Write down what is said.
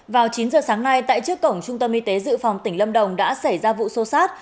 vào chín giờ sáng nay tại trước cổng trung tâm y tế dự phòng tỉnh lâm đồng đã xảy ra vụ xô xát